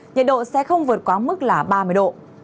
nhiệt độ sẽ không vượt quá mức là ba mươi độ